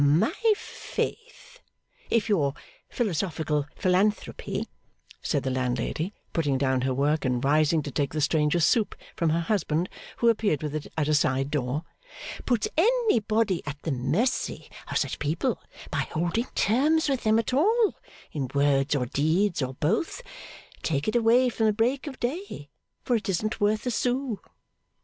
'My faith! If your philosophical philanthropy,' said the landlady, putting down her work, and rising to take the stranger's soup from her husband, who appeared with it at a side door, 'puts anybody at the mercy of such people by holding terms with them at all, in words or deeds, or both, take it away from the Break of Day, for it isn't worth a sou.